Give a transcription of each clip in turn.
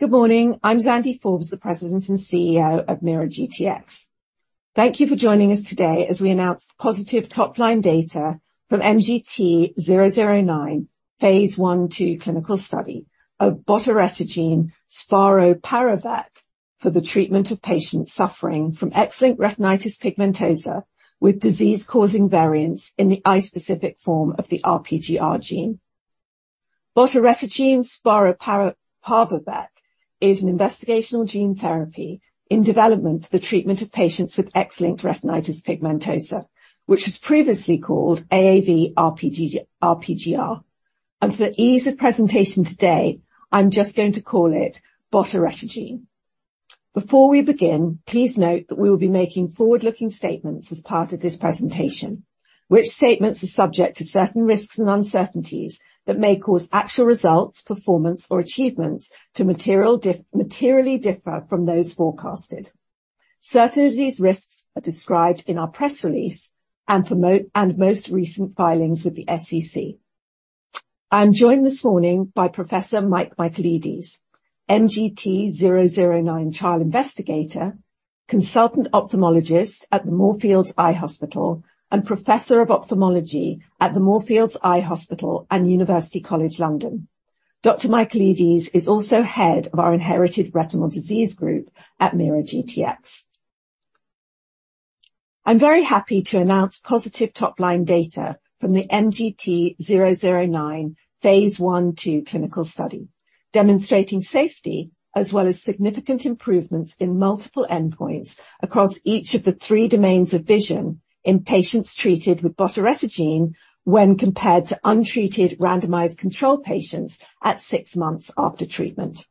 Good morning. I'm Zandy Forbes, the President and CEO of MeiraGTx. Thank you for joining us today as we announce positive top-line data from MGT009 Phase I/II clinical study of botaretigene sparoparvovec for the treatment of patients suffering from X-linked retinitis pigmentosa with disease-causing variants in the eye specific form of the RPGR gene. Botaretigene sparoparvovec is an investigational gene therapy in development for the treatment of patients with X-linked retinitis pigmentosa, which was previously called AAV-RPGR. For ease of presentation today, I'm just going to call it botaretigene. Before we begin, please note that we will be making forward-looking statements as part of this presentation, which statements are subject to certain risks and uncertainties that may cause actual results, performance or achievements to materially differ from those forecasted. Certain of these risks are described in our press release and most recent filings with the SEC. I'm joined this morning by Professor Michel Michaelides, MGT009 trial investigator, consultant ophthalmologist at the Moorfields Eye Hospital, and Professor of Ophthalmology at the Moorfields Eye Hospital and University College London. Dr. Michaelides is also head of our inherited retinal disease group at MeiraGTx. I'm very happy to announce positive top-line data from the MGT009 Phase I/II clinical study, demonstrating safety as well as significant improvements in multiple endpoints across each of the three domains of vision in patients treated with botaretigene sparoparvovec when compared to untreated randomized control patients at six months after treatment.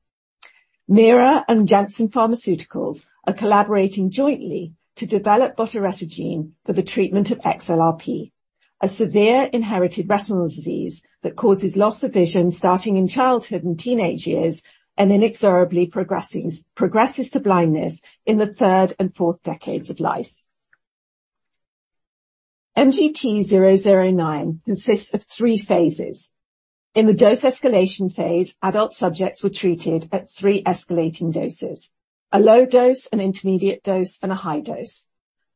MeiraGTx and Janssen Pharmaceuticals are collaborating jointly to develop botaretigene for the treatment of XLRP, a severe inherited retinal disease that causes loss of vision starting in childhood and teenage years and inexorably progresses to blindness in the third and fourth decades of life. MGT009 consists of three phases. In the dose escalation phase, adult subjects were treated at three escalating doses, a low dose, an intermediate dose, and a high dose.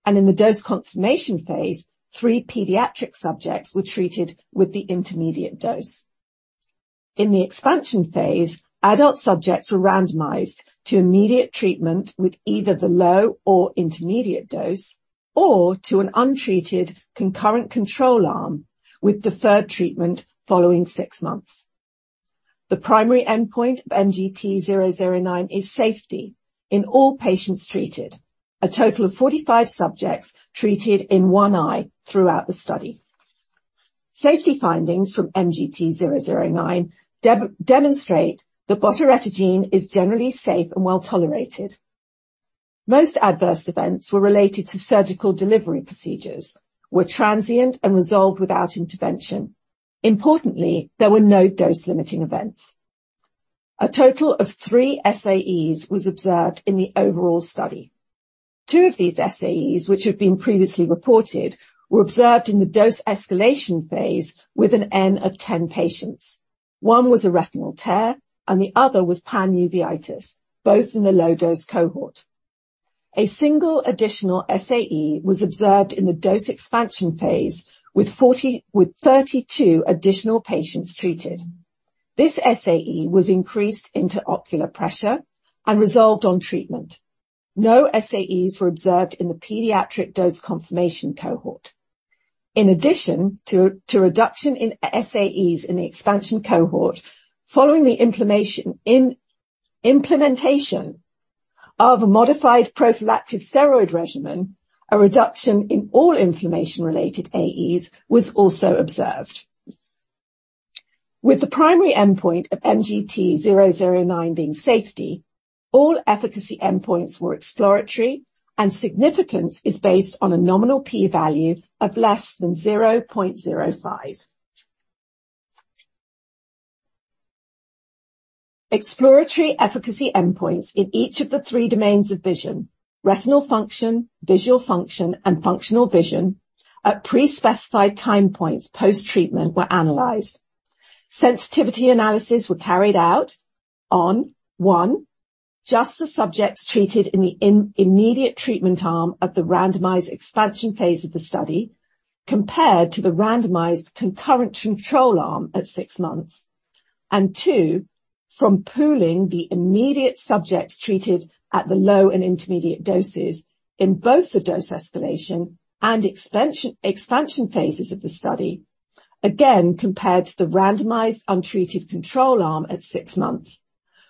In the dose confirmation phase, three pediatric subjects were treated with the intermediate dose. In the expansion phase, adult subjects were randomized to immediate treatment with either the low or intermediate dose or to an untreated concurrent control arm with deferred treatment following six months. The primary endpoint of MGT009 is safety in all patients treated. A total of 45 subjects treated in one eye throughout the study. Safety findings from MGT009 demonstrate that botaretigene is generally safe and well-tolerated. Most adverse events were related to surgical delivery procedures, were transient and resolved without intervention. Importantly, there were no dose-limiting events. A total of 3 SAEs was observed in the overall study. Two of these SAEs, which have been previously reported, were observed in the dose escalation phase with an N of 10 patients. One was a retinal tear and the other was panuveitis, both in the low-dose cohort. A single additional SAE was observed in the dose expansion phase with 32 additional patients treated. This SAE was increased intraocular pressure and resolved on treatment. No SAEs were observed in the pediatric dose confirmation cohort. In addition to reduction in SAEs in the expansion cohort following the implementation of a modified prophylactic steroid regimen, a reduction in all inflammation-related SAEs was also observed. With the primary endpoint of MGT009 being safety, all efficacy endpoints were exploratory and significance is based on a nominal P value of less than 0.05. Exploratory efficacy endpoints in each of the three domains of vision, retinal function, visual function, and functional vision at pre-specified time points post-treatment were analyzed. Sensitivity analysis were carried out on one, just the subjects treated in the immediate treatment arm of the randomized expansion phase of the study compared to the randomized concurrent control arm at six months. Two, from pooling the immediate subjects treated at the low and intermediate doses in both the dose escalation and expansion phases of the study, again compared to the randomized untreated control arm at six months.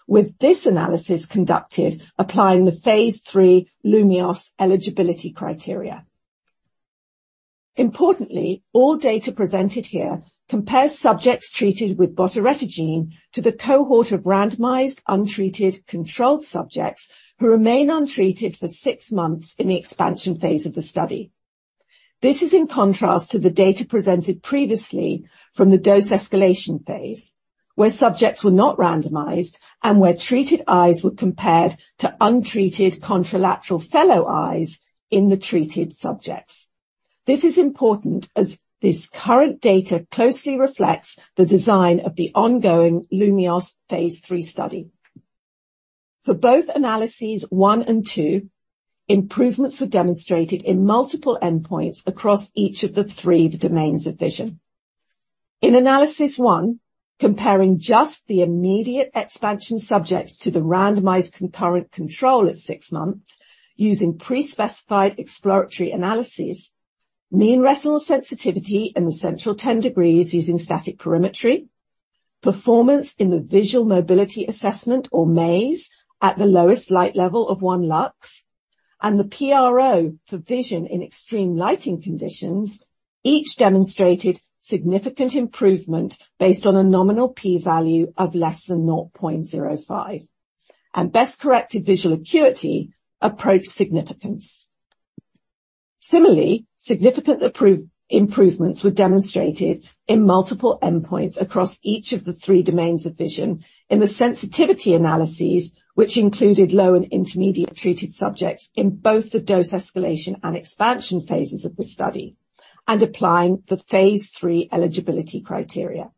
With this analysis conducted applying the phase III LUMEOS eligibility criteria. Importantly, all data presented here compares subjects treated with botaretigene sparoparvovec to the cohort of randomized untreated controlled subjects who remain untreated for 6 months in the expansion phase of the study. This is in contrast to the data presented previously from the dose escalation phase, where subjects were not randomized and where treated eyes were compared to untreated contralateral fellow eyes in the treated subjects. This is important as this current data closely reflects the design of the ongoing LUMEOS phase III study. For both analyses 1 and 2, improvements were demonstrated in multiple endpoints across each of the 3 domains of vision. In analysis one, comparing just the immediate expansion subjects to the randomized concurrent control at six months using pre-specified exploratory analyses, mean retinal sensitivity in the central 10 degrees using static perimetry, performance in the visual mobility assessment or maze at the lowest light level of 1 lux, and the PRO for vision in extreme lighting conditions, each demonstrated significant improvement based on a nominal P value of less than 0.05, and best-corrected visual acuity approached significance. Similarly, significant improvements were demonstrated in multiple endpoints across each of the three domains of vision in the sensitivity analyses, which included low and intermediate treated subjects in both the dose escalation and expansion phases of the study and applying the phase III eligibility criteria.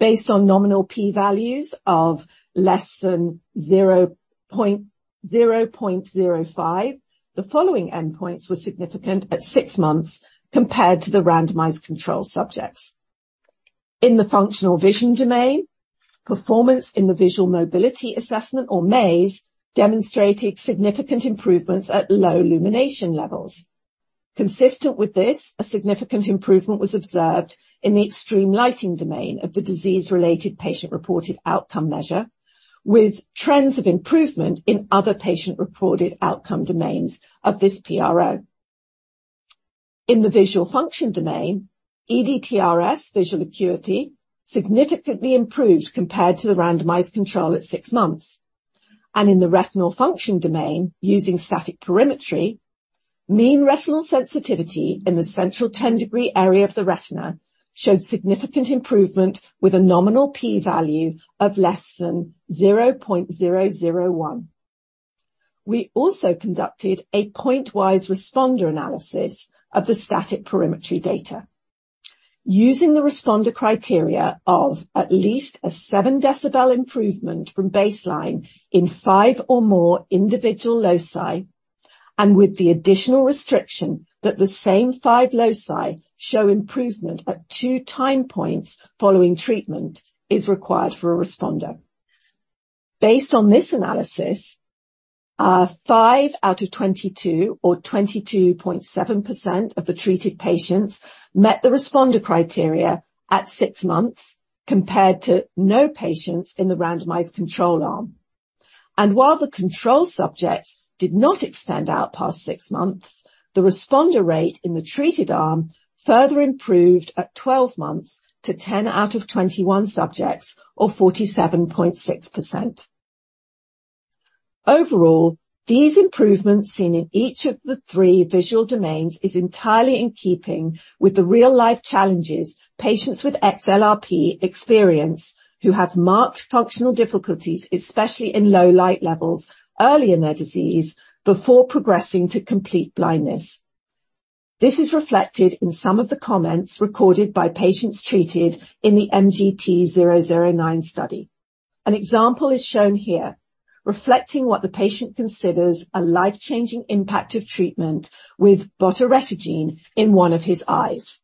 Based on nominal P values of less than 0.05, the following endpoints were significant at six months compared to the randomized control subjects. In the functional vision domain, performance in the visual mobility assessment or maze demonstrated significant improvements at low lumination levels. Consistent with this, a significant improvement was observed in the extreme lighting domain of the disease-related patient-reported outcome measure, with trends of improvement in other patient-reported outcome domains of this PRO. In the visual function domain, ETDRS visual acuity significantly improved compared to the randomized control at six months. In the retinal function domain, using static perimetry, mean retinal sensitivity in the central 10-degree area of the retina showed significant improvement with a nominal P value of less than 0.001. We also conducted a pointwise responder analysis of the static perimetry data. Using the responder criteria of at least a 7 decibel improvement from baseline in five or more individual loci, and with the additional restriction that the same five loci show improvement at two time points following treatment is required for a responder. Based on this analysis, 5 out of 22 or 22.7% of the treated patients met the responder criteria at 6 months, compared to no patients in the randomized control arm. While the control subjects did not extend out past 6 months, the responder rate in the treated arm further improved at 12 months to 10 out of 21 subjects or 47.6%. Overall, these improvements seen in each of the 3 visual domains is entirely in keeping with the real-life challenges patients with XLRP experience who have marked functional difficulties, especially in low light levels early in their disease, before progressing to complete blindness. This is reflected in some of the comments recorded by patients treated in the MGT009 study. An example is shown here, reflecting what the patient considers a life-changing impact of treatment with botaretigene in one of his eyes.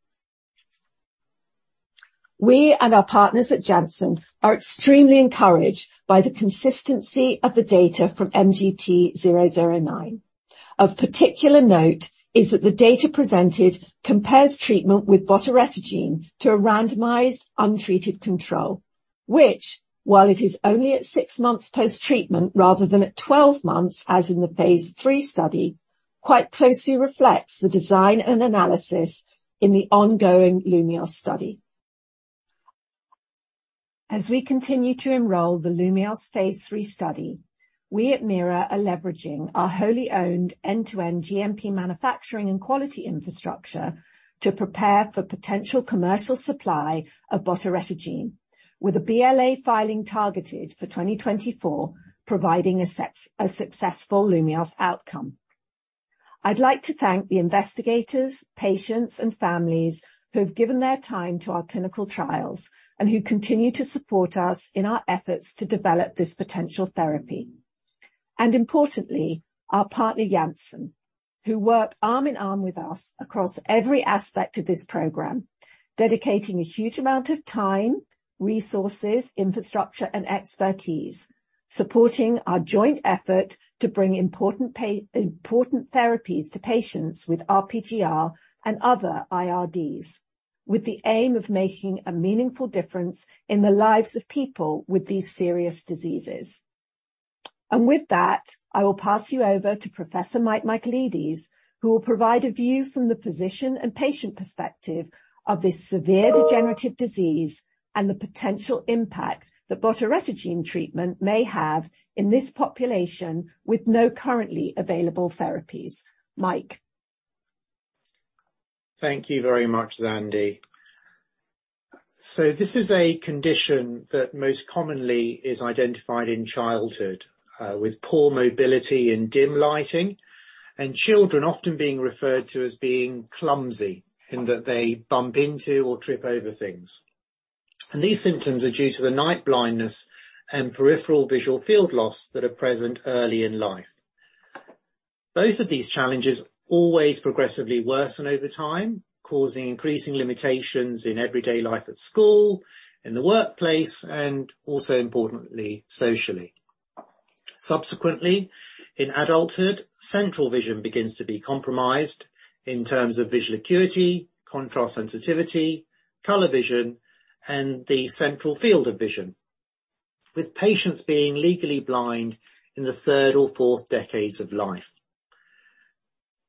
We and our partners at Janssen are extremely encouraged by the consistency of the data from MGT009. Of particular note is that the data presented compares treatment with botaretigene to a randomized, untreated control, which, while it is only at 6 months post-treatment rather than at 12 months, as in the phase III study, quite closely reflects the design and analysis in the ongoing LUMEOS study. As we continue to enroll the LUMEOS phase III study, we at MeiraGTx are leveraging our wholly owned end-to-end GMP manufacturing and quality infrastructure to prepare for potential commercial supply of botaretigene, with a BLA filing targeted for 2024, providing a successful LUMEOS outcome. I'd like to thank the investigators, patients, and families who have given their time to our clinical trials and who continue to support us in our efforts to develop this potential therapy. Importantly, our partner, Janssen, who work arm in arm with us across every aspect of this program, dedicating a huge amount of time, resources, infrastructure, and expertise, supporting our joint effort to bring important therapies to patients with RPGR and other IRDs, with the aim of making a meaningful difference in the lives of people with these serious diseases. With that, I will pass you over to Professor Michel Michaelides, who will provide a view from the physician and patient perspective of this severe degenerative disease and the potential impact that botaretigene sparoparvovec may have in this population with no currently available therapies. Mike? Thank you very much, Zandy. This is a condition that most commonly is identified in childhood, with poor mobility in dim lighting and children often being referred to as being clumsy in that they bump into or trip over things. These symptoms are due to the night blindness and peripheral visual field loss that are present early in life. Both of these challenges always progressively worsen over time, causing increasing limitations in everyday life at school, in the workplace, and also importantly, socially. Subsequently, in adulthood, central vision begins to be compromised in terms of visual acuity, contrast sensitivity, color vision, and the central field of vision, with patients being legally blind in the third or fourth decades of life.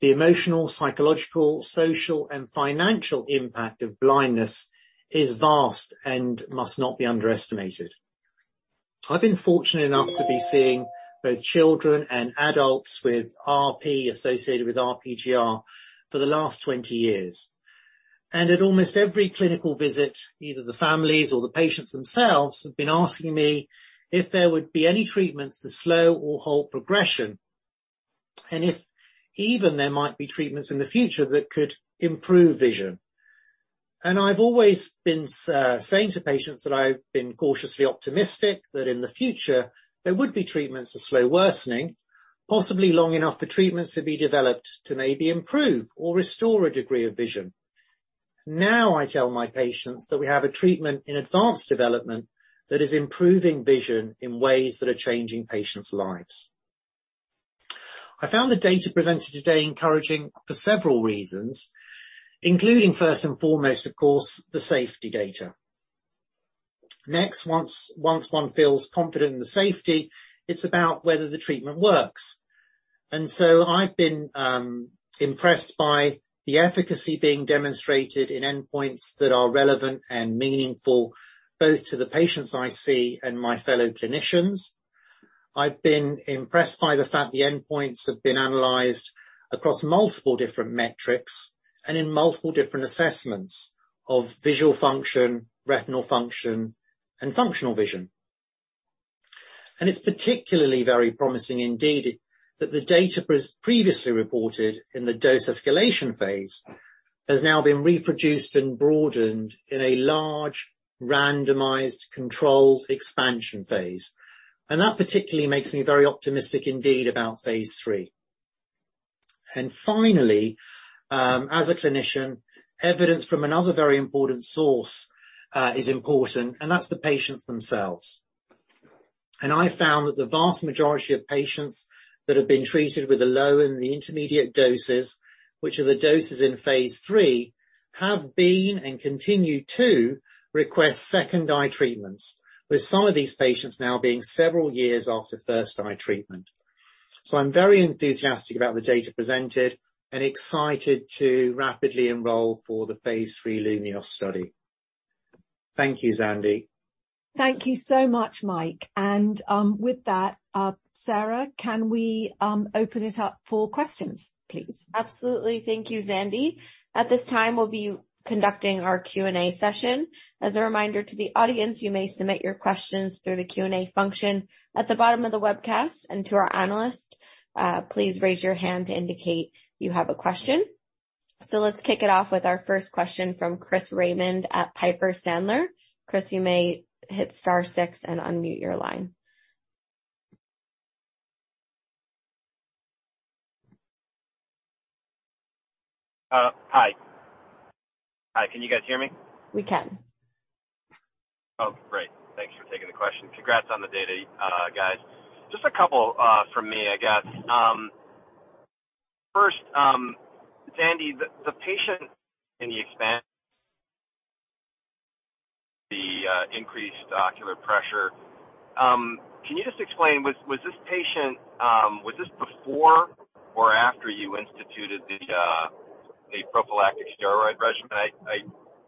The emotional, psychological, social, and financial impact of blindness is vast and must not be underestimated. I've been fortunate enough to be seeing both children and adults with RP associated with RPGR for the last 20 years. At almost every clinical visit, either the families or the patients themselves have been asking me if there would be any treatments to slow or halt progression, and if even there might be treatments in the future that could improve vision. I've always been saying to patients that I've been cautiously optimistic that in the future there would be treatments to slow worsening, possibly long enough for treatments to be developed to maybe improve or restore a degree of vision. Now, I tell my patients that we have a treatment in advanced development that is improving vision in ways that are changing patients' lives. I found the data presented today encouraging for several reasons, including, first and foremost, of course, the safety data. Next, once one feels confident in the safety, it's about whether the treatment works. I've been impressed by the efficacy being demonstrated in endpoints that are relevant and meaningful, both to the patients I see and my fellow clinicians. I've been impressed by the fact the endpoints have been analyzed across multiple different metrics and in multiple different assessments of visual function, retinal function, and functional vision. It's particularly very promising indeed that the data previously reported in the dose escalation phase has now been reproduced and broadened in a large, randomized, controlled expansion phase. That particularly makes me very optimistic indeed about phase III. Finally, as a clinician, evidence from another very important source is important, and that's the patients themselves. I found that the vast majority of patients that have been treated with a low and the intermediate doses, which are the doses in phase III, have been and continue to request second eye treatments, with some of these patients now being several years after first eye treatment. I'm very enthusiastic about the data presented and excited to rapidly enroll for the phase III LUMEOS study. Thank you, Zandy Thank you so much, Mike. With that, Sarah, can we open it up for questions, please? Absolutely. Thank you, Zandy. At this time, we'll be conducting our Q&A session. As a reminder to the audience, you may submit your questions through the Q&A function at the bottom of the webcast. To our analysts, please raise your hand to indicate you have a question. Let's kick it off with our first question from Chris Raymond at Piper Sandler. Chris, you may hit star six and unmute your line. Hi, can you guys hear me? We can. Oh, great. Thanks for taking the question. Congrats on the data, guys. Just a couple from me, I guess. First, Zandy, the patient, the increased ocular pressure. Can you just explain, was this patient before or after you instituted the prophylactic steroid regimen?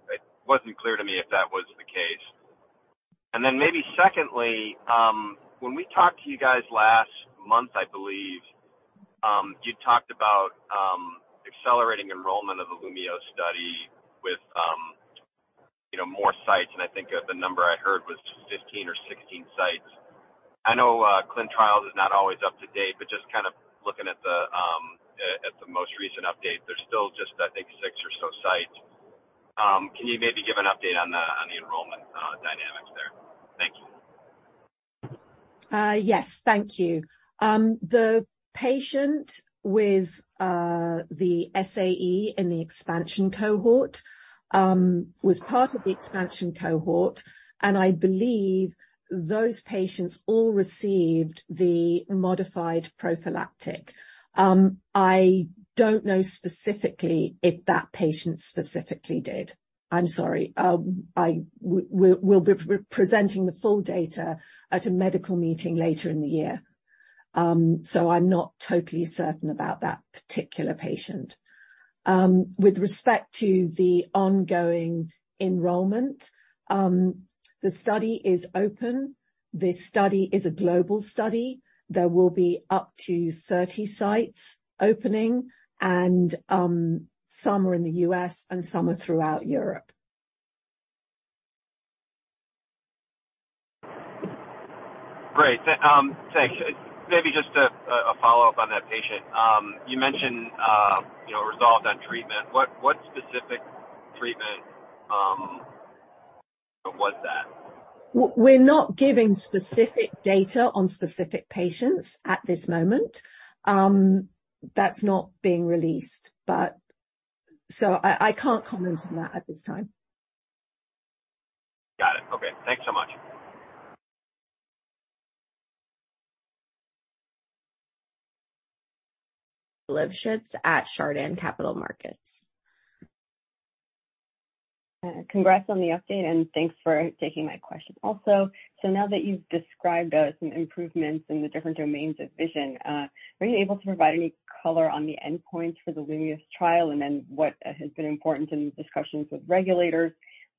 It wasn't clear to me if that was the case. Maybe secondly, when we talked to you guys last month, I believe, you talked about accelerating enrollment of the LUMEOS study with, you know, more sites, and I think the number I heard was 15 or 16 sites. I know, ClinicalTrials.gov is not always up to date, but just kind of looking at the, at the most recent update, there's still just, I think, six or so sites. Can you maybe give an update on the enrollment dynamics there? Thank you. Yes, thank you. The patient with the SAE in the expansion cohort was part of the expansion cohort, and I believe those patients all received the modified prophylactic. I don't know specifically if that patient did. I'm sorry. We'll be presenting the full data at a medical meeting later in the year. I'm not totally certain about that particular patient. With respect to the ongoing enrollment, the study is open. This study is a global study. There will be up to 30 sites opening and some are in the U.S. and some are throughout Europe. Great. Thanks. Maybe just a follow-up on that patient. You mentioned, you know, resolved on treatment. What specific treatment was that? We're not giving specific data on specific patients at this moment. That's not being released, but I can't comment on that at this time. Got it. Okay. Thanks so much. Geulah Livshits at Chardan Capital Markets. Congrats on the update, and thanks for taking my question also. Now that you've described some improvements in the different domains of vision, were you able to provide any color on the endpoints for the LUMEOS trial and then what has been important in discussions with regulators?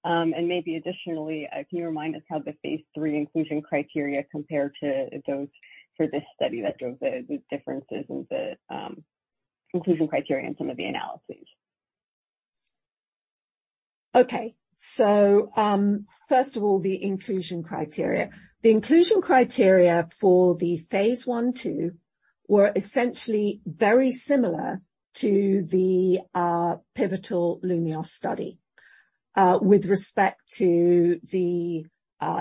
Maybe additionally, can you remind us how the phase III inclusion criteria compare to those for this study that drove the differences in the inclusion criteria and some of the analyses? First of all, the inclusion criteria. The inclusion criteria for the phase I/II were essentially very similar to the pivotal LUMEOS study with respect to the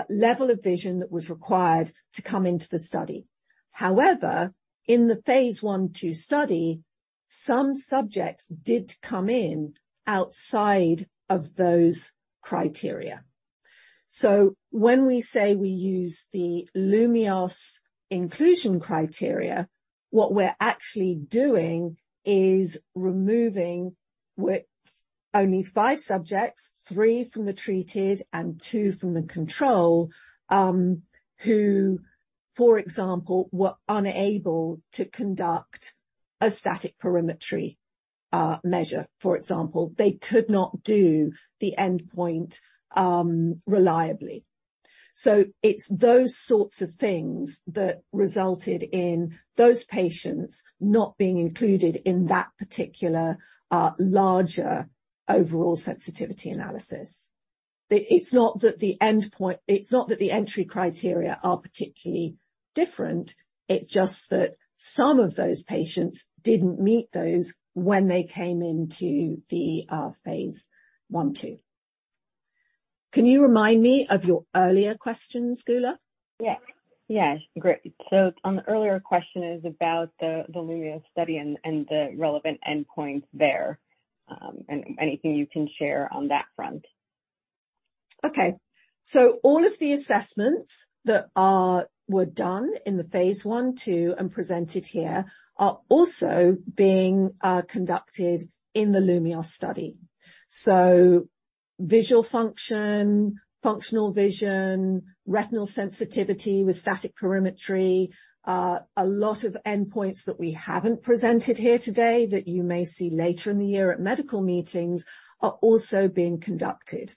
level of vision that was required to come into the study. However, in the phase I/II study, some subjects did come in outside of those criteria. When we say we use the LUMEOS inclusion criteria, what we're actually doing is removing with only 5 subjects, 3 from the treated and 2 from the control, who, for example, were unable to conduct a static perimetry measure, for example. They could not do the endpoint reliably. It's those sorts of things that resulted in those patients not being included in that particular larger overall sensitivity analysis. It's not that the entry criteria are particularly different. It's just that some of those patients didn't meet those when they came into the phase I/II. Can you remind me of your earlier questions, Geulah Livshits? Yes. Great. The earlier question is about the LUMEOS study and the relevant endpoints there, and anything you can share on that front. All of the assessments that were done in the phase I/II and presented here are also being conducted in the LUMEOS study. Visual function, functional vision, retinal sensitivity with static perimetry. A lot of endpoints that we haven't presented here today that you may see later in the year at medical meetings are also being conducted.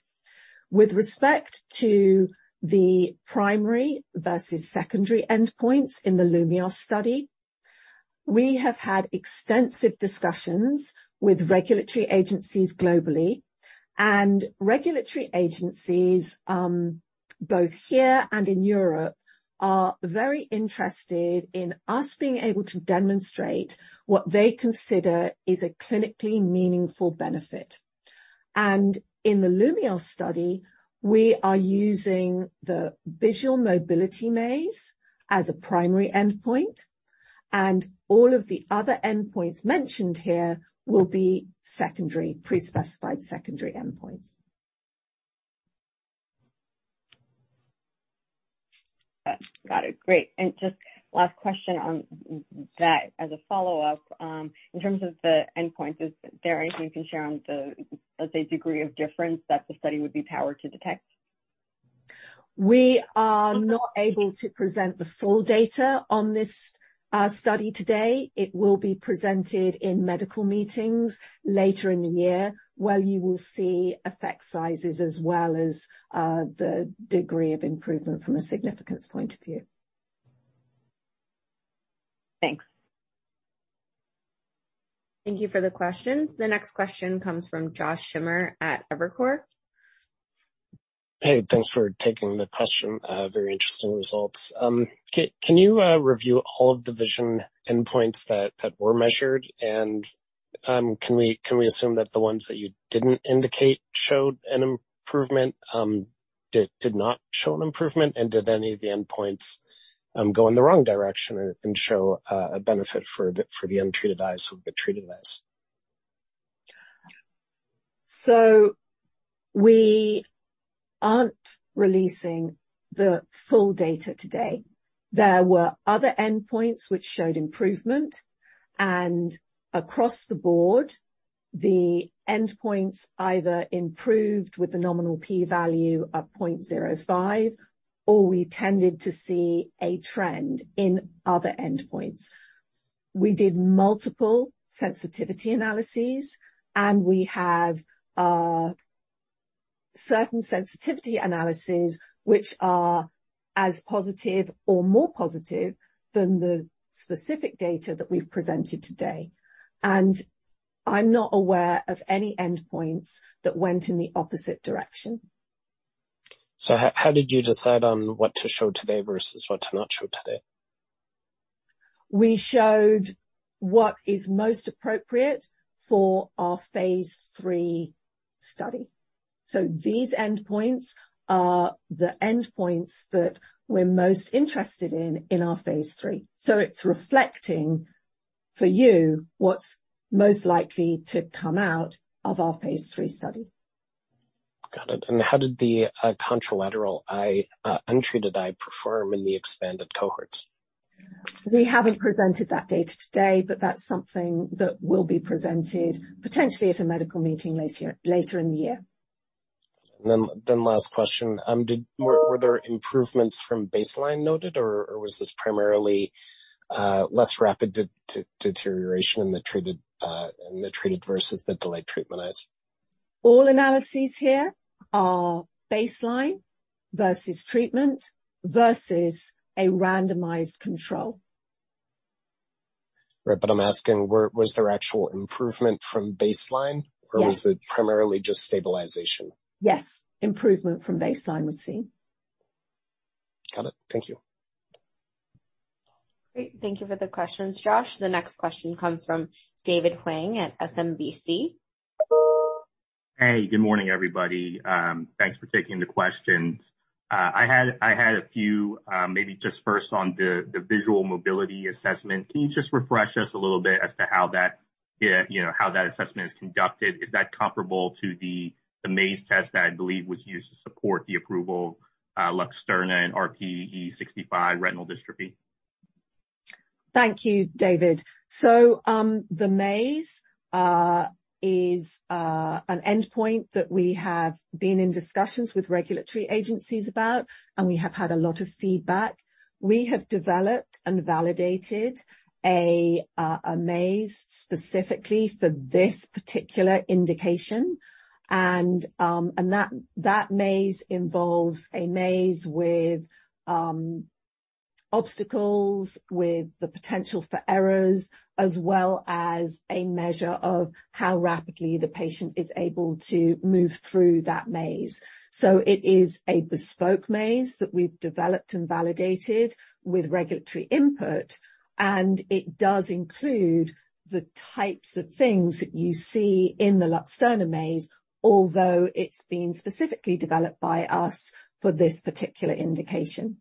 With respect to the primary versus secondary endpoints in the LUMEOS study, we have had extensive discussions with regulatory agencies globally, and regulatory agencies both here and in Europe are very interested in us being able to demonstrate what they consider is a clinically meaningful benefit. In the LUMEOS study, we are using the visual mobility maze as a primary endpoint, and all of the other endpoints mentioned here will be secondary, pre-specified secondary endpoints. Got it. Great. Just last question on that as a follow-up. In terms of the endpoints, is there anything you can share on the degree of difference that the study would be powered to detect? We are not able to present the full data on this study today. It will be presented in medical meetings later in the year, where you will see effect sizes as well as the degree of improvement from a significance point of view. Thanks. Thank you for the questions. The next question comes from Josh Schimmer at Evercore. Hey, thanks for taking the question. Very interesting results. Can you review all of the vision endpoints that were measured? Can we assume that the ones that you didn't indicate showed an improvement, did not show an improvement, and did any of the endpoints go in the wrong direction and show a benefit for the untreated eyes over treated eyes? We aren't releasing the full data today. There were other endpoints which showed improvement, and across the board, the endpoints either improved with the nominal P value of 0.05, or we tended to see a trend in other endpoints. We did multiple sensitivity analyses, and we have certain sensitivity analyses which are as positive or more positive than the specific data that we've presented today. I'm not aware of any endpoints that went in the opposite direction. How did you decide on what to show today versus what to not show today? We showed what is most appropriate for our phase III study. These endpoints are the endpoints that we're most interested in our phase III. It's reflecting for you what's most likely to come out of our phase III study. Got it. How did the contralateral eye, untreated eye perform in the expanded cohorts? We haven't presented that data today, but that's something that will be presented potentially at a medical meeting later in the year. Last question. Were there improvements from baseline noted, or was this primarily less rapid deterioration in the treated versus the delayed treatment eyes? All analyses here are baseline versus treatment versus a randomized control. Right. I'm asking, was there actual improvement from baseline? Yeah. Was it primarily just stabilization? Yes. Improvement from baseline was seen. Got it. Thank you. Great. Thank you for the questions, Josh. The next question comes from David Hoang at SMBC. Hey, good morning, everybody. Thanks for taking the questions. I had a few, maybe just first on the visual mobility assessment. Can you just refresh us a little bit as to how that assessment is conducted? Is that comparable to the maze test that I believe was used to support the approval, Luxturna RPE65 retinal dystrophy? Thank you, David. The maze is an endpoint that we have been in discussions with regulatory agencies about, and we have had a lot of feedback. We have developed and validated a maze specifically for this particular indication. That maze involves a maze with obstacles with the potential for errors, as well as a measure of how rapidly the patient is able to move through that maze. It is a bespoke maze that we've developed and validated with regulatory input, and it does include the types of things that you see in the Luxturna maze, although it's been specifically developed by us for this particular indication.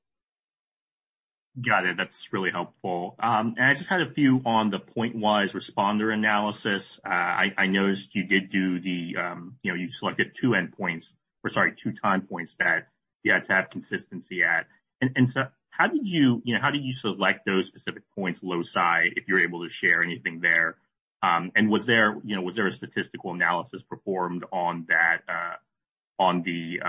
Got it. That's really helpful. I just had a few on the point-wise responder analysis. I noticed you did do the, you know, you selected two endpoints, or sorry, two time points that you had to have consistency at. How did you know, select those specific points loci, if you're able to share anything there? Was there, you know, a statistical analysis performed on that, on the,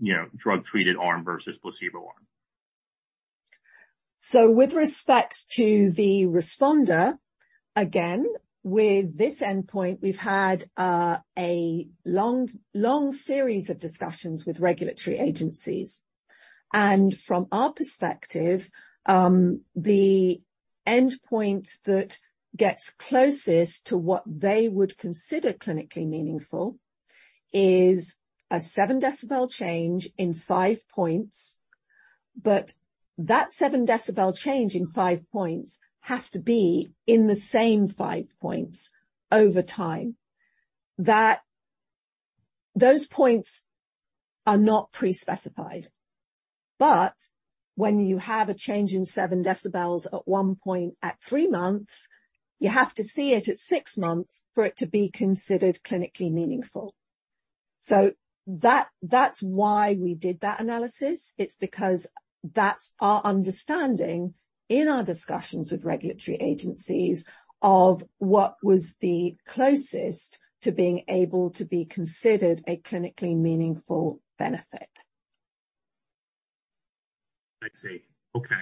you know, drug-treated arm versus placebo arm? With respect to the responder, again, with this endpoint, we've had a long, long series of discussions with regulatory agencies. From our perspective, the endpoint that gets closest to what they would consider clinically meaningful is a 7 decibel change in 5 points. That 7 decibel change in 5 points has to be in the same 5 points over time, that those points are not pre-specified. When you have a change in 7 decibels at 1 point at 3 months, you have to see it at 6 months for it to be considered clinically meaningful. That, that's why we did that analysis. It's because that's our understanding in our discussions with regulatory agencies of what was the closest to being able to be considered a clinically meaningful benefit. I see. Okay.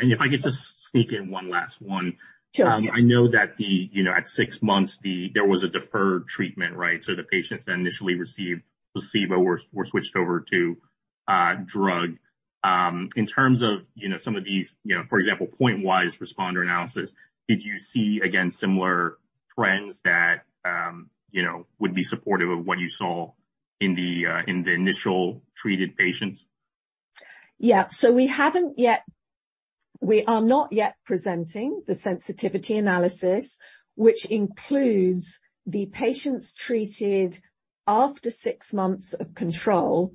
If I could just sneak in one last one. Sure. I know that, you know, at six months there was a deferred treatment, right? The patients that initially received placebo were switched over to drug. In terms of, you know, some of these, you know, for example, point-wise responder analysis, did you see, again, similar trends that, you know, would be supportive of what you saw in the initial treated patients? We are not yet presenting the sensitivity analysis, which includes the patients treated after six months of control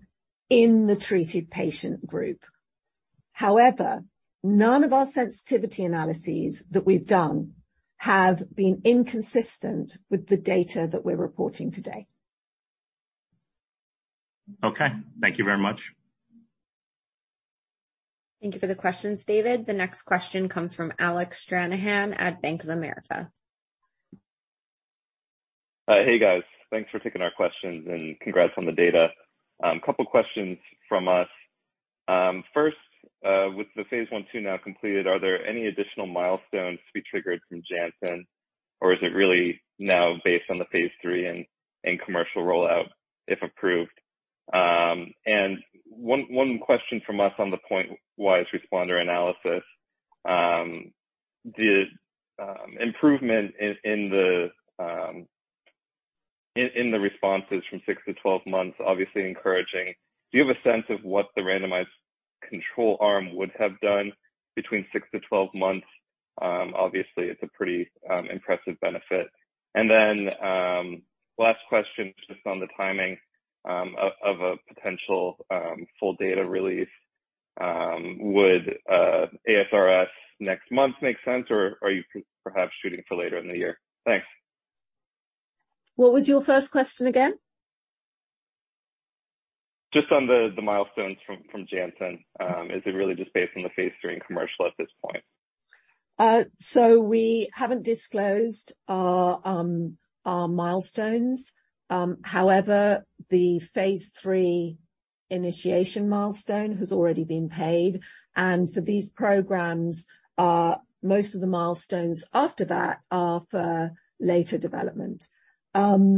in the treated patient group. However, none of our sensitivity analyses that we've done have been inconsistent with the data that we're reporting today. Okay. Thank you very much. Thank you for the questions, David. The next question comes from Alec Stranahan at Bank of America. Hey guys. Thanks for taking our questions and congrats on the data. Couple of questions from us. First, with the phase I/II now completed, are there any additional milestones to be triggered from Janssen, or is it really now based on the phase III and commercial rollout if approved? One question from us on the pointwise responder analysis. Improvement in the responses from 6 to 12 months, obviously encouraging. Do you have a sense of what the randomized control arm would have done between 6 to 12 months? Obviously, it's a pretty impressive benefit. Last question, just on the timing of a potential full data release, would ASRS next month make sense, or are you perhaps shooting for later in the year? Thanks. What was your first question again? Just on the milestones from Janssen. Is it really just based on the phase III and commercial at this point? We haven't disclosed our milestones. However, the phase III initiation milestone has already been paid, and for these programs, most of the milestones after that are for later development. In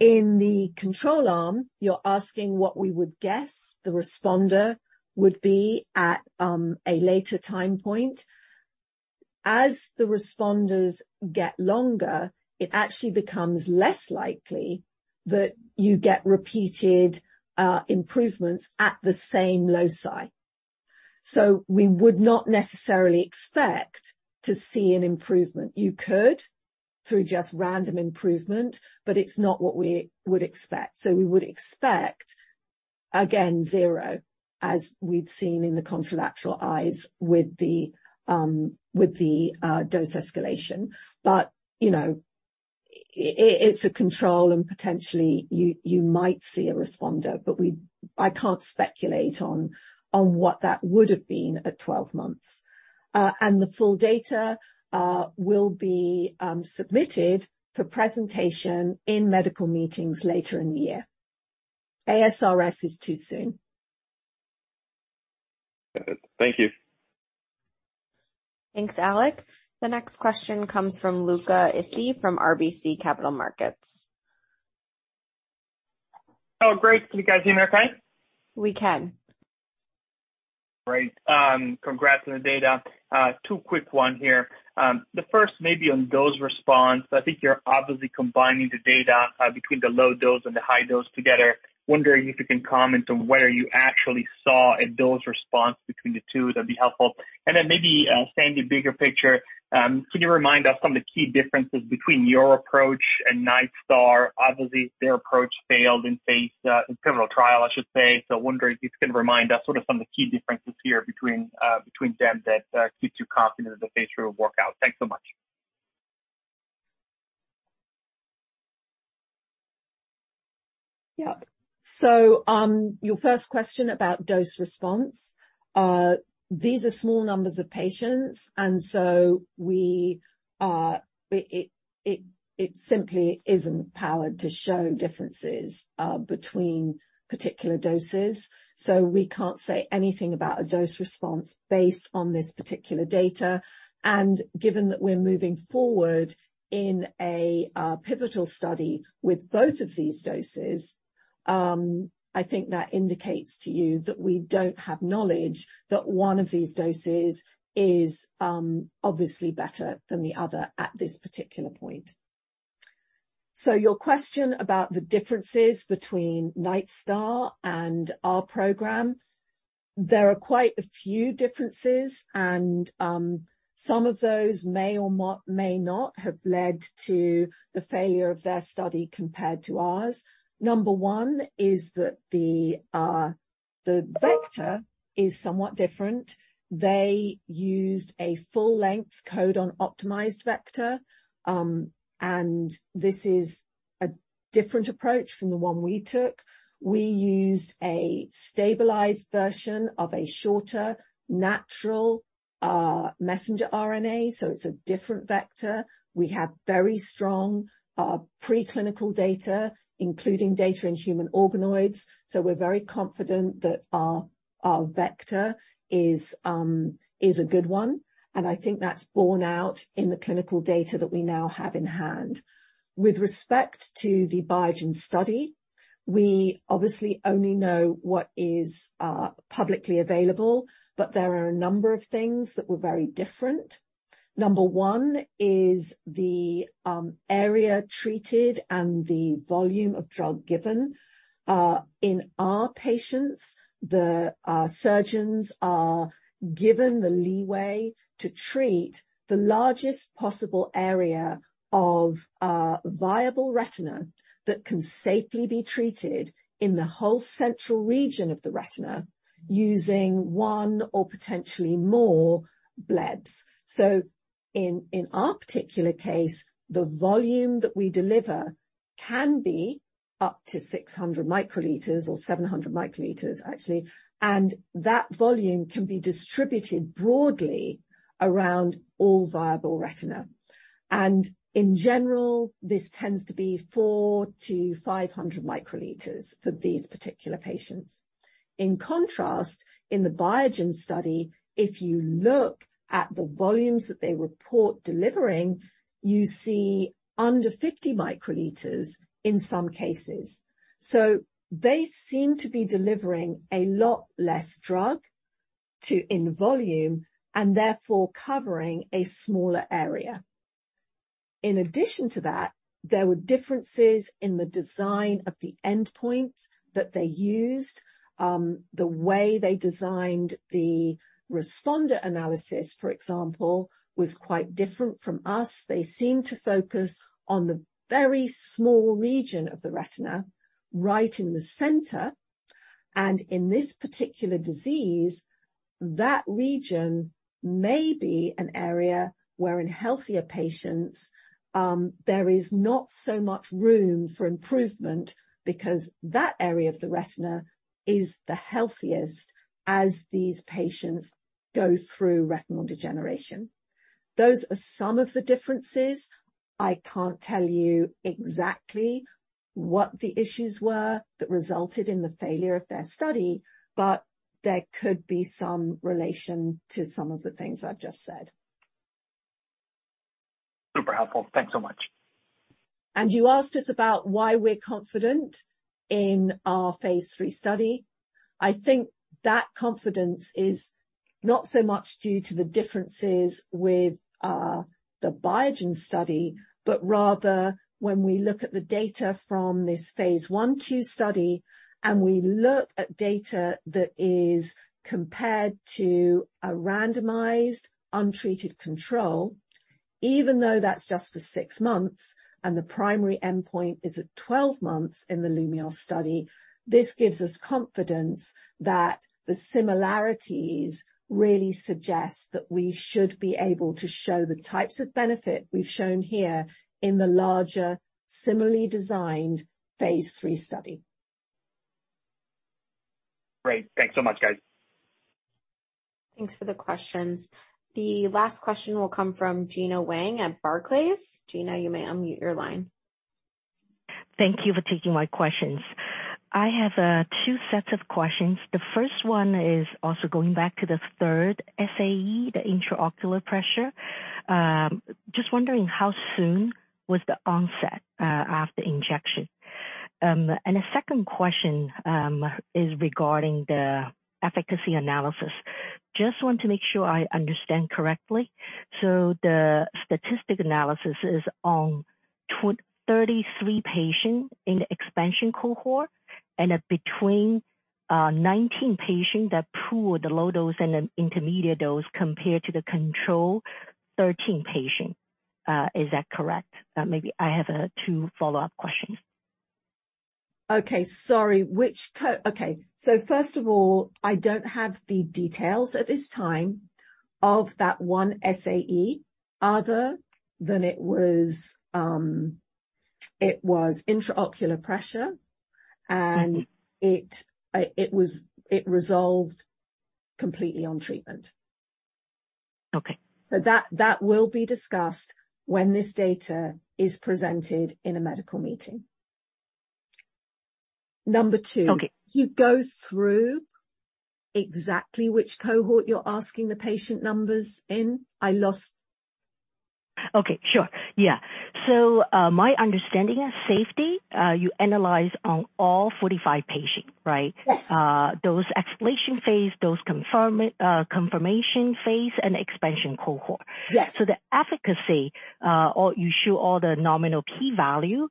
the control arm, you're asking what we would guess the responder would be at a later time point. As the responders get longer, it actually becomes less likely that you get repeated improvements at the same loci. We would not necessarily expect to see an improvement. You could through just random improvement, but it's not what we would expect. We would expect, again, zero, as we've seen in the contralateral eyes with the dose escalation. You know, it's a control, and potentially you might see a responder, but I can't speculate on what that would have been at 12 months. The full data will be submitted for presentation in medical meetings later in the year. ASRS is too soon. Thank you. Thanks, Alec. The next question comes from Luca Issi from RBC Capital Markets. Oh, great. Can you guys hear me okay? We can. Great. Congrats on the data. Two quick ones here. The first maybe on dose response. I think you're obviously combining the data between the low dose and the high dose together. Wondering if you can comment on whether you actually saw a dose response between the two. That'd be helpful. Then maybe, painting bigger picture, could you remind us of some of the key differences between your approach and Nightstar? Obviously, their approach failed in phase in pivotal trial, I should say. Wondering if you can remind us of some of the key differences here between them that keeps you confident that the phase III will work out. Thanks so much. Yeah. Your first question about dose response. These are small numbers of patients, and so it simply isn't powered to show differences between particular doses, so we can't say anything about a dose response based on this particular data. Given that we're moving forward in a pivotal study with both of these doses, I think that indicates to you that we don't have knowledge that one of these doses is obviously better than the other at this particular point. Your question about the differences between Nightstar and our program, there are quite a few differences, and some of those may not have led to the failure of their study compared to ours. Number one is that the vector is somewhat different. They used a full-length codon-optimized vector, and this is a different approach from the one we took. We used a stabilized version of a shorter natural messenger RNA, so it's a different vector. We have very strong preclinical data, including data in human organoids. We're very confident that our vector is a good one, and I think that's borne out in the clinical data that we now have in hand. With respect to the Biogen study, we obviously only know what is publicly available, but there are a number of things that were very different. Number one is the area treated and the volume of drug given. In our patients, the surgeons are given the leeway to treat the largest possible area of viable retina that can safely be treated in the whole central region of the retina using one or potentially more blebs. In our particular case, the volume that we deliver can be up to 600 microliters or 700 microliters actually, and that volume can be distributed broadly around all viable retina. In general, this tends to be 400-500 microliters for these particular patients. In contrast, in the Biogen study, if you look at the volumes that they report delivering, you see under 50 microliters in some cases. They seem to be delivering a lot less drug to, in volume and therefore covering a smaller area. In addition to that, there were differences in the design of the endpoints that they used. The way they designed the responder analysis, for example, was quite different from us. They seemed to focus on the very small region of the retina right in the center. In this particular disease, that region may be an area where in healthier patients, there is not so much room for improvement because that area of the retina is the healthiest as these patients go through retinal degeneration. Those are some of the differences. I can't tell you exactly what the issues were that resulted in the failure of their study, but there could be some relation to some of the things I've just said. Super helpful. Thanks so much. You asked us about why we're confident in our phase III study. I think that confidence is not so much due to the differences with the Biogen study, but rather when we look at the data from this phase I/II study and we look at data that is compared to a randomized untreated control, even though that's just for 6 months and the primary endpoint is at 12 months in the LUMEOS study, this gives us confidence that the similarities really suggest that we should be able to show the types of benefit we've shown here in the larger, similarly designed phase III study. Great. Thanks so much, guys. Thanks for the questions. The last question will come from Gena Wang at Barclays. Gena, you may unmute your line. Thank you for taking my questions. I have two sets of questions. The first one is also going back to the third SAE, the intraocular pressure. Just wondering how soon was the onset after injection? And a second question is regarding the efficacy analysis. Just want to make sure I understand correctly. The statistical analysis is on 23 patients in the expansion cohort and between 19 patients that pool the low dose and the intermediate dose compared to the control 13 patient. Is that correct? Maybe I have two follow-up questions. Okay. Sorry, Okay. First of all, I don't have the details at this time of that one SAE other than it was intraocular pressure, and it resolved completely on treatment. Okay. That will be discussed when this data is presented in a medical meeting. Number 2. Okay. Can you go through exactly which cohort you're asking the patient numbers in? I lost. Okay, sure. Yeah. My understanding of safety, you analyze on all 45 patients, right? Yes. Those expansion phase, confirmation phase and expansion cohort. Yes. The efficacy, are you show all the nominal p-value.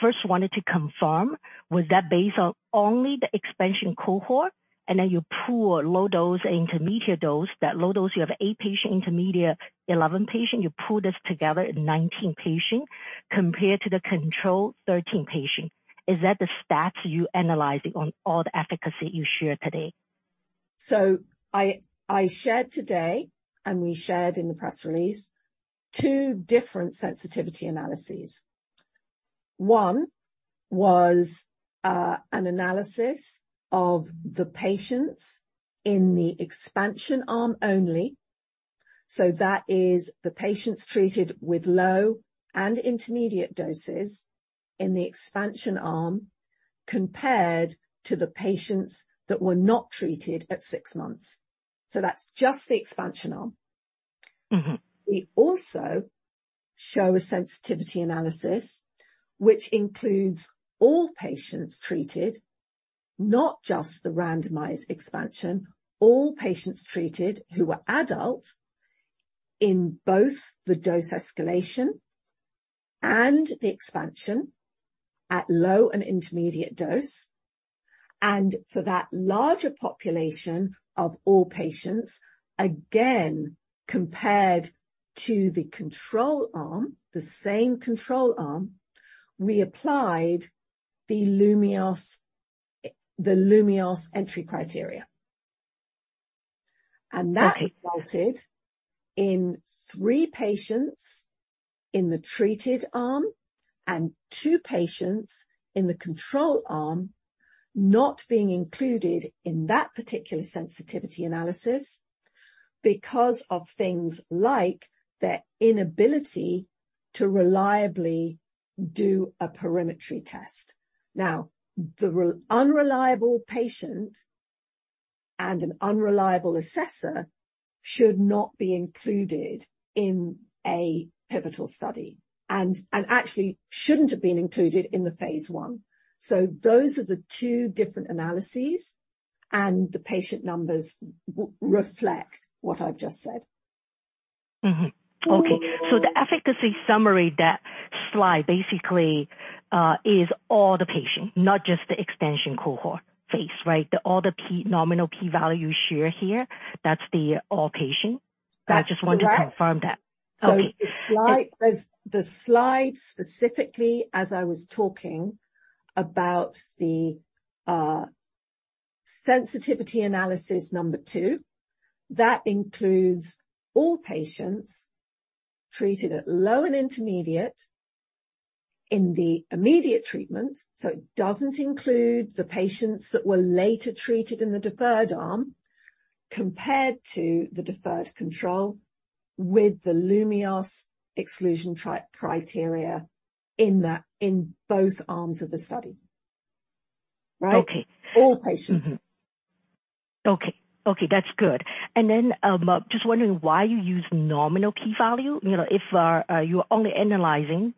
First wanted to confirm, was that based on only the expansion cohort? You pool low dose, intermediate dose. That low dose, you have 8 patients, intermediate 11 patients, you pool this together in 19 patients compared to the control 13 patients. Is that the stats you're analyzing on all the efficacy you share today? I shared today, and we shared in the press release two different sensitivity analyses. One was an analysis of the patients in the expansion arm only. So that is the patients treated with low and intermediate doses in the expansion arm compared to the patients that were not treated at six months. So that's just the expansion arm We also show a sensitivity analysis, which includes all patients treated, not just the randomized expansion. All patients treated who are adults in both the dose escalation and the expansion at low and intermediate dose. For that larger population of all patients, again compared to the control arm, the same control arm, we applied the LUMEOS, the LUMEOS entry criteria. That resulted in 3 patients in the treated arm and 2 patients in the control arm not being included in that particular sensitivity analysis because of things like their inability to reliably do a perimetry test. Now, unreliable patient and an unreliable assessor should not be included in a pivotal study and, actually shouldn't have been included in the phase I. Those are the two different analyses, and the patient numbers reflect what I've just said. The efficacy summary, that slide basically, is all patients, not just the extension cohort phase, right? The all nominal p-value shown here, that's all patients. That's correct. I just want to confirm that. Okay. The slide specifically as I was talking about the sensitivity analysis number two, that includes all patients treated at low and intermediate in the immediate treatment, so it doesn't include the patients that were later treated in the deferred arm compared to the deferred control with the LUMEOS exclusion trial criteria in both arms of the study. Right? Okay. All patients. Okay. Okay, that's good. Then, just wondering why you use nominal p-value. You know, if you're only analyzing,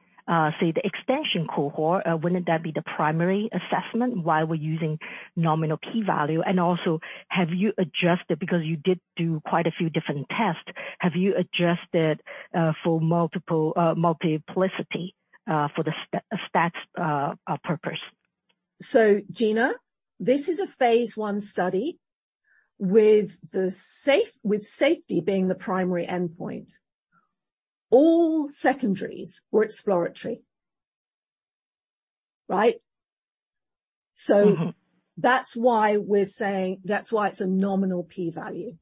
say, the extension cohort, wouldn't that be the primary assessment? Why we're using nominal p-value? And also, have you adjusted, because you did do quite a few different tests, for multiplicity for statistical purposes? Gena, this is a phase I study with safety being the primary endpoint. All secondaries were exploratory. Right That's why we're saying it's a nominal p-value.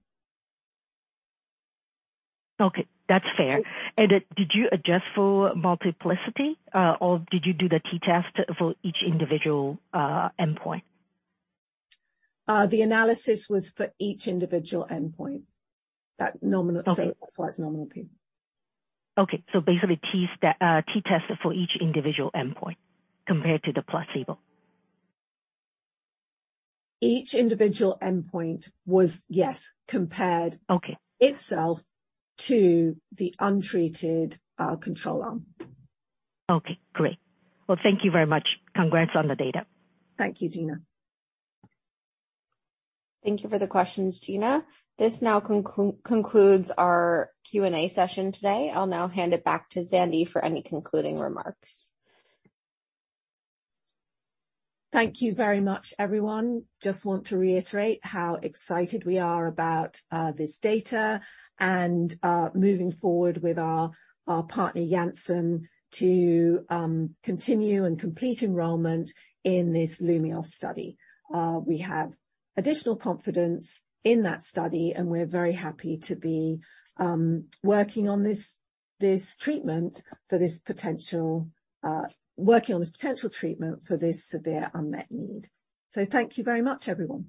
Okay. That's fair. Did you adjust for multiplicity, or did you do the t-test for each individual endpoint? The analysis was for each individual endpoint. That nominal- Okay. That's why it's nominal p. Okay. Basically t-test for each individual endpoint compared to the placebo. Each individual endpoint was, yes, compared. Okay itself to the untreated, control arm. Okay, great. Well, thank you very much. Congrats on the data. Thank you, Gena. Thank you for the questions, Gena. This now concludes our Q&A session today. I'll now hand it back to Zandy for any concluding remarks. Thank you very much, everyone. Just want to reiterate how excited we are about this data and moving forward with our partner, Janssen, to continue and complete enrollment in this LUMEOS study. We have additional confidence in that study, and we're very happy to be working on this potential treatment for this severe unmet need. Thank you very much, everyone.